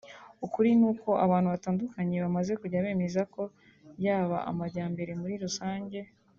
ukuri ni uko abantu batandukanye bamaze kujya bemeza ko yaba amajyambere muri rusange